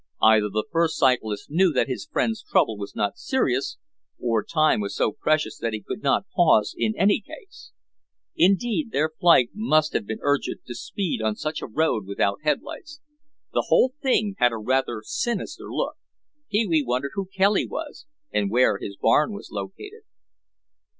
Either the first cyclist knew that his friend's trouble was not serious, or time was so precious that he could not pause in any case. Indeed, their flight must have been urgent to speed on such a road without headlights. The whole thing had a rather sinister look. Pee wee wondered who Kelly was and where his barn was located.